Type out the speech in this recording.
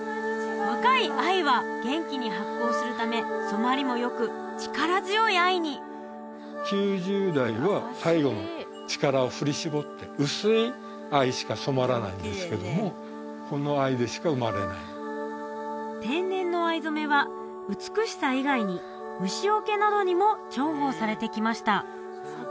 若い藍は元気に発酵するため染まりもよく力強い藍に９０代は最後の力を振り絞って薄い藍しか染まらないんですけどもこの藍でしか生まれない天然の藍染めは美しさ以外に虫よけなどにも重宝されてきました